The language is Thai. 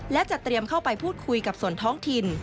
และจะเตรียมเข้าไปพูดคุยกับส่วนท้องถิ่น